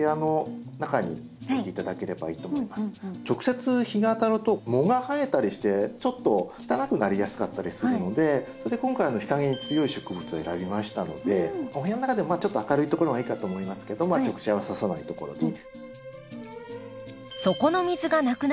直接日が当たると藻が生えたりしてちょっと汚くなりやすかったりするのでそれで今回日陰に強い植物を選びましたのでお部屋の中でもちょっと明るいところがいいかと思いますけど直射はささないところに。